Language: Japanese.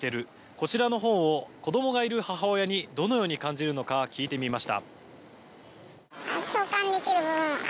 こちらの本を子供がいる母親にどのように感じるのか聞いてみました。